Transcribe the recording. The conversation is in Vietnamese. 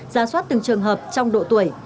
giá soát từng trường hợp trong độ tuổi